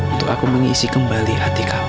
untuk aku mengisi kembali hati kamu